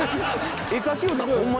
絵描き歌ホンマ